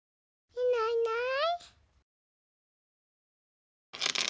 いないいない。